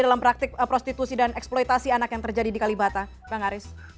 dalam praktik prostitusi dan eksploitasi anak yang terjadi di kalibata bang aris